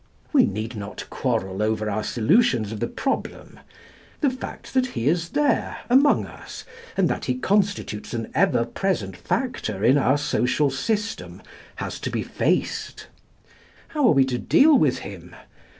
We need not quarrel over our solutions of the problem. The fact that he is there, among us, and that he constitutes an ever present factor in our social system, has to be faced. How are we to deal with him?